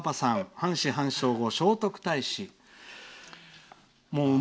半死半生語、聖徳太子。